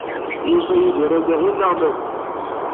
Yufa Yidir amahil neɣ mazal?